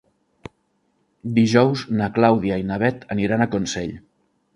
Dijous na Clàudia i na Bet aniran a Consell.